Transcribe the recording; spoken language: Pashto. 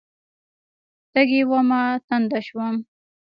تږې ومه، تنده شوم